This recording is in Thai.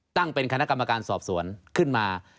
ตั้งเป็นคณะกรรมการสอบสวนขึ้นมา